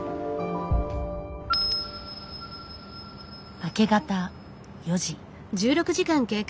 明け方４時。